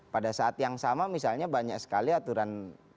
pada saat yang sama misalnya banyak sekali aturan